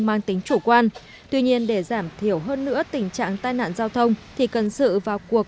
mang tính chủ quan tuy nhiên để giảm thiểu hơn nữa tình trạng tai nạn giao thông thì cần sự vào cuộc